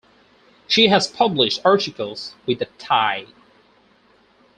She has published articles with The Tyee.